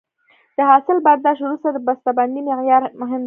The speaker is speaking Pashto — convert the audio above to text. د حاصل برداشت وروسته د بسته بندۍ معیار مهم دی.